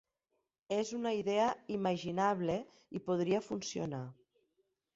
És una idea imaginable i podria funcionar.